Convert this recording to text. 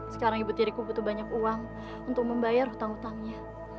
sekarang ibu tiriku butuh banyak uang untuk membayar hutang hutangnya